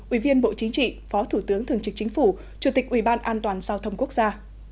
ủy viên bộ chính trị phó thủ tướng thường trực chính phủ chủ tịch ủy ban an toàn giao thông quốc gia